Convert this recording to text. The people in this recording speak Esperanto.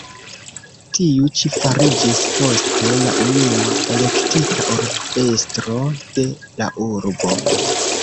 Tiu ĉi fariĝis poste la unua elektita urbestro de la urbo.